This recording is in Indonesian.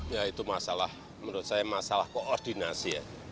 ya itu masalah menurut saya masalah koordinasi ya